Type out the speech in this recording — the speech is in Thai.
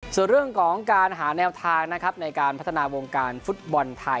ส่วนเรื่องของการหาแนวทางนะครับในการพัฒนาวงการฟุตบอลไทย